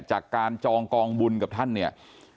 จากการจองกองบุญกับท่านเนี่ย